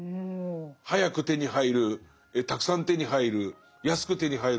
早く手に入るたくさん手に入る安く手に入るみたいのが。